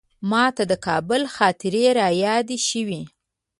ماته د کابل خاطرې رایادې شوې.